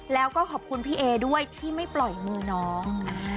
แล้วก็ขอบคุณพี่เอด้วยที่ไม่ปล่อยมือน้อง